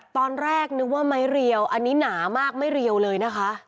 ตอนแรกนึกว่าไม้เรียวอันนี้หนามากไม่เรียวเลยนะคะ